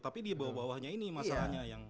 tapi di bawah bawahnya ini masalahnya yang